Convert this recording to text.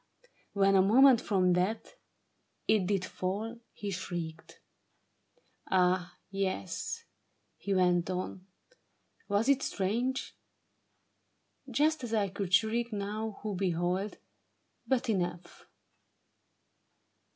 When a moment from that 68 A TRAGEDY OF SEDAN. It did fall, he shrieked. Ah, yes —" he went on, "Was it strange ? Just as I could shriek now who behold — But enough.